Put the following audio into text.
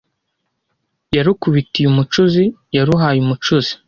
Yarukubitiye umucuzi: Yaruhaye umucuzi.